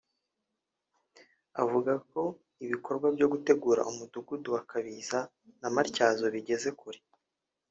avuga ko ibikorwa byo gutegura umudugudu wa Kabiza na Matyazo bigeze kure